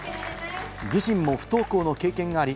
自身も不登校の経験があり